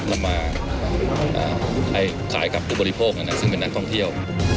เอามาให้ขายกับผู้บริโภคนั้นซึ่งเป็นนักท่องเที่ยว